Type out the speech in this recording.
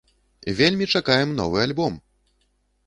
Вельмі чакаем новы альбом!